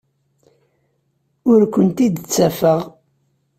Ur kent-id-ttafeɣ.